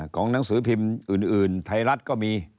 ของหนังสือพิมพ์อื่นไทยรัฐก็มี